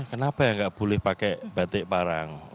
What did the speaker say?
kenapa enggak boleh pakai batik parang